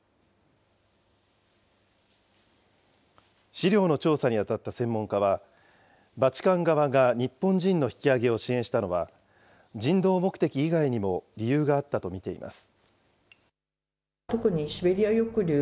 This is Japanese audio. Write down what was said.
資料の調査に当たった専門家は、バチカン側が日本人の引き揚げを支援したのは、人道目的以外にも理由があったと見ています。